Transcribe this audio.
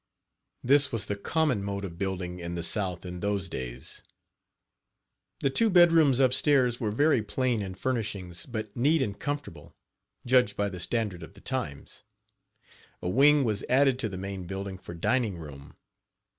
This was the common mode of building in the south in Page 17 those days. The two bedrooms upstairs were very plain in furnishings, but neat and comfortable, judged by the standard of the times. A wing was added to the main building for dining room.